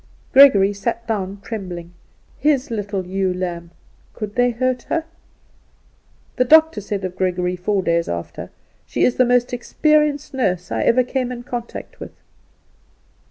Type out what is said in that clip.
Gregory sat down trembling. His little ewe lamb, could they hurt her? The doctor said of Gregory four days after, "She is the most experienced nurse I ever came in contact with."